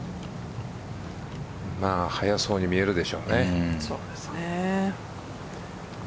速そうに見えるでしょうね。